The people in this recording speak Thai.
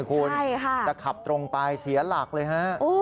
เข้าซ้ายทันทีค่ะคุณจะขับตรงไปเสียหลักเลยฮะ